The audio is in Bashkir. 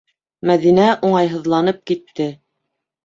- Мәҙинә уңайһыҙланып китте.